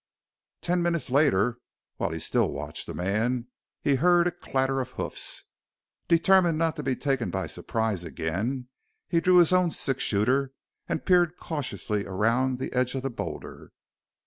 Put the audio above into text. Ten minutes later, while he still watched the man, he heard a clatter of hoofs. Determined not to be taken by surprise again he drew his own six shooter and peered cautiously around the edge of the boulder.